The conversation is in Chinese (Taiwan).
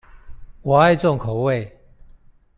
我愛重口味